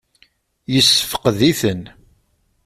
Yessefqed-iten?